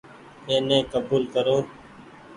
اي ني ڪبول ڪرو ۔